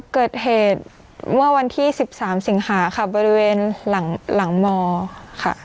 เกิดเหตุเมื่อวันที่สิบสามสิงหาค่ะบริเวณหลังหลังมอค่ะ